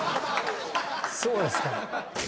そうですか？